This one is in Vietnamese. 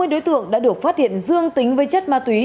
hai mươi đối tượng đã được phát hiện dương tính với chất ma túy